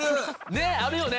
ねっあるよね？